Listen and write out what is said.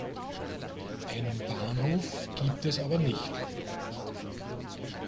Einen Bahnhof gibt es aber nicht.